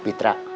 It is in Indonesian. ini yang jadi